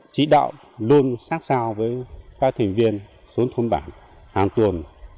chỉ đạo luôn sát sao với các thành viên xuống thôn bản hàng tuần